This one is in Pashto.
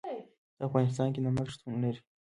په افغانستان کې نمک شتون لري.